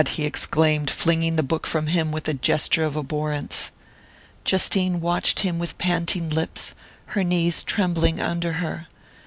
he exclaimed, flinging the book from him with a gesture of abhorrence. Justine watched him with panting lips, her knees trembling under her.